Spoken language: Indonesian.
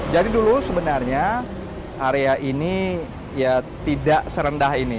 jadi dulu sebenarnya area ini ya tidak serendah ini